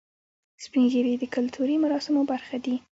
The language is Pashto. سپین ږیری د کلتوري مراسمو برخه دي